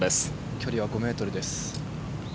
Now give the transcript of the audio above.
距離は５ｍです。